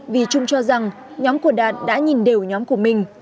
vì trung cho rằng nhóm của đạt đã nhìn đều nhóm của mình